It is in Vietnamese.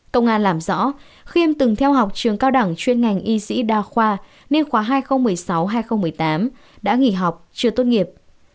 công an làm rõ khiêm từng theo học trường cao đẳng chuyên ngành y sĩ đa khoa niên khoa hai nghìn một mươi sáu hai nghìn một mươi tám đã nghỉ học chưa tốt nghiệp